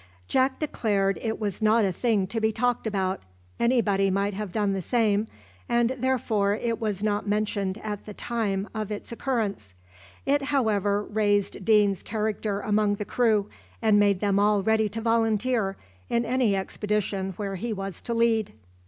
Jack declared it was not a thing to be talked about, any body might have done the same, and therefore it was not mentioned at the time of its occurrence. It however raised Deane's character among the crew, and made them all ready to volunteer in any expedition where he was to lead.